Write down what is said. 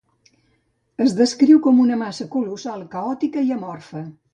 Es descriu com una massa colossal, caòtica i amorfa.